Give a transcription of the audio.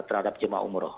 terhadap jemaah umroh